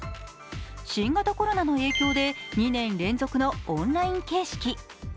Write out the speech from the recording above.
新型コロナの影響で２年連続のオンライン形式。